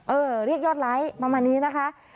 เรียกยอดไลค์ประมาณนี้นะคะ